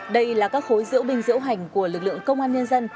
đây là các khối diễu binh diễu hành của lực lượng công an nhân dân